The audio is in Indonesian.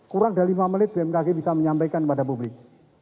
kurang dari lima menit bmkg bisa menyampaikan kepada publik